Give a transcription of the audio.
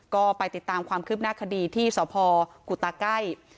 ก็ไปติดตามความคืบหน้าคดีที่สพกุตาไก้